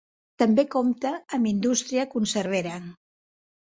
També compta amb indústria conservera.